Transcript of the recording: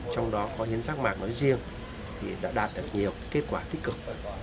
trong đó có hiến sắc mạc nói riêng thì đã đạt được nhiều kết quả tích cực